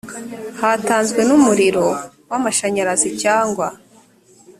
hatanzwe n umuriro w amashanyarazi cyangwa